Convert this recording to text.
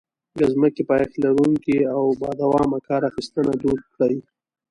د ځمکې پایښت لرونکې او بادوامه کار اخیستنه دود کړي.